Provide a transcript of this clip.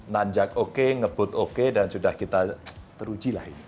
nanjak oke ngebut oke dan sudah kita teruji lah ini